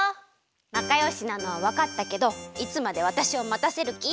なかよしなのはわかったけどいつまでわたしをまたせるき？